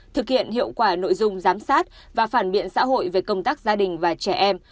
thực hiện hiệu quả nội dung giám sát và phản biện xã hội về công tác gia đình và trẻ em